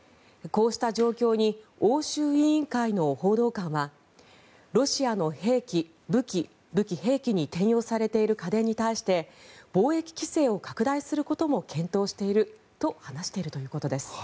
こうした状況に欧州委員会の報道官はロシアの武器・兵器に転用されている家電に対して貿易規制を拡大することも検討していると話しているということです。